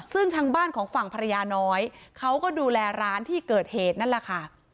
ซึ่งทางบ้านของฝั่งภรรยาน้อยเขาก็ดูแลร้านที่เกิดเหตุนั่นแหละค่ะ